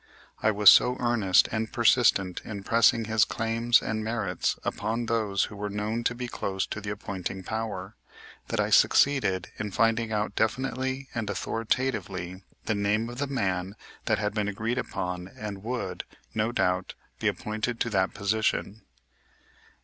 I was so earnest and persistent in pressing his claims and merits upon those who were known to be close to the appointing power, that I succeeded in finding out definitely and authoritatively the name of the man that had been agreed upon and would, no doubt, be appointed to that position.